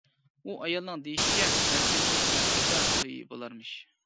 ئۇ ئايالنىڭ دېيىشىچە ئەركىننىڭ كېلەر ئايدا تويى بولارمىش.